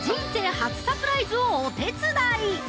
初サプライズをお手伝い！